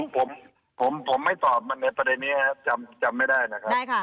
ผมผมผมผมไม่ตอบมาในประเด็นนี้ครับจำจำไม่ได้นะครับได้ค่ะ